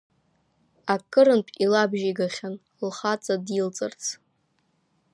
Акырынтә илабжьеигахьан лхаҵа дилҵырц.